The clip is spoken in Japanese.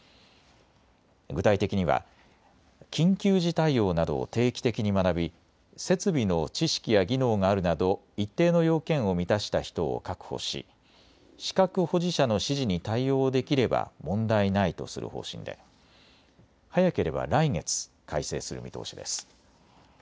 具体的には、緊急時対応などを定期的に学び設備の知識や技能があるなど一定の要件を満たした人を確保し資格保持者の指示に対応できれば問題ないとする方針で早ければ来月改正する見通しです。